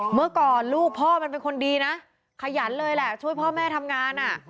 เมื่อก่อนลูกพ่อมันเป็นคนดีนะขยันเลยแหละช่วยพ่อแม่ทำงาน